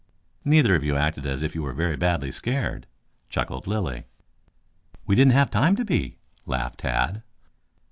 "Neither of you acted as if you were very badly scared," chuckled Lilly. "We didn't have time to be," laughed Tad.